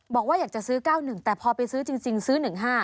บอกว่าอยากจะซื้อ๙๑แต่พอไปซื้อจริงซื้อ๑๕